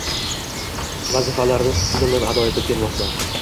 Vazifalarni sidqidildan ado etib kelmoqda.